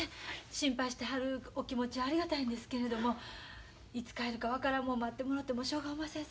心配してはるお気持ちはありがたいんですけれどもいつ帰るか分からんもん待ってもろてもしょうがおません